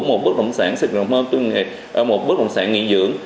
một bất động sản nghỉ dưỡng